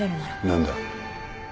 何だ？